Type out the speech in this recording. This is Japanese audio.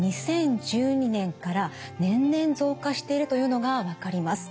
２０１２年から年々増加しているというのが分かります。